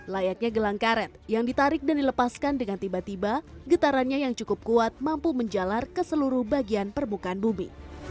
layaknya gelang karet yang ditarik dan dilepaskan dengan tiba tiba getarannya yang cukup kuat mampu menjalar ke seluruh bagian permukaan bumi